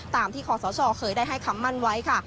ตามที่ขอสชเคยได้ให้คำมั่นไว้ค่ะ